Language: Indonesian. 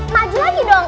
maju lagi dong